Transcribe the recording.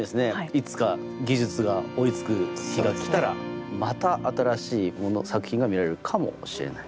いつか技術が追いつく日が来たらまた新しいものを作品が見られるかもしれない。